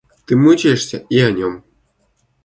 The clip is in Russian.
Ты мучаешься и о нем.